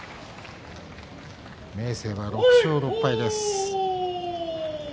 明生は６勝６敗です。